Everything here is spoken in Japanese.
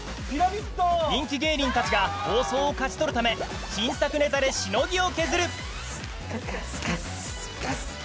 ピラミッド人気芸人たちが放送を勝ち取るため新作ネタでしのぎを削るカスカス！